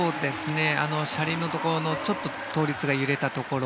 車輪のところのちょっと倒立が揺れたところ